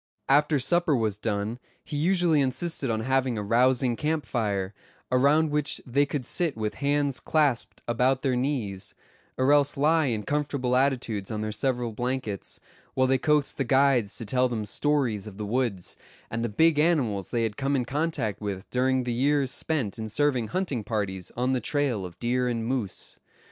After supper was done he usually insisted on having a rousing camp fire, around which they could sit with hands clasped about their knees; or else lie in comfortable attitudes on their several blankets, while they coaxed the guides to tell them stories of the woods, and the big animals they had come in contact with during the years spent in serving hunting parties on the trail of deer and moose.